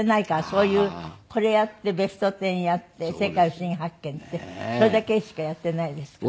そういうこれやって『ベストテン』やって『世界ふしぎ発見！』ってそれだけしかやっていないですから。